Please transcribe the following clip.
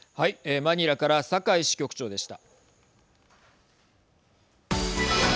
マニラから酒井支局長でした。